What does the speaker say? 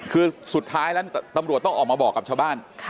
คือสุดท้ายแล้วตำรวจต้องออกมาบอกกับชาวบ้าน